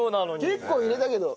結構入れたけど。